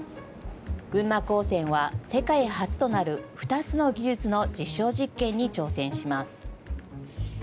群馬高専は、世界初となる２つの技術の実証実験に挑戦します。